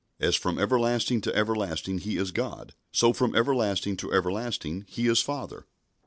As from everlasting to everlasting He is God, so from everlasting to everlasting He is Father.